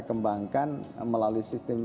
kembangkan melalui sistem